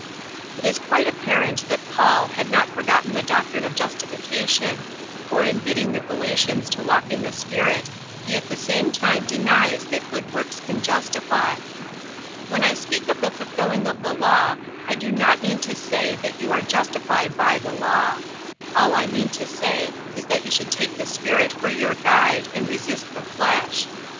It is quite apparent that Paul had not forgotten the doctrine of justification, for in bidding the Galatians to walk in the Spirit he at the same time denies that good works can justify. "When I speak of the fulfilling of the Law I do not mean to say that you are justified by the Law. All I mean to say is that you should take the Spirit for your guide and resist the flesh.